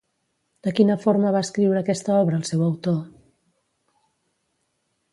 De quina forma va escriure aquesta obra el seu autor?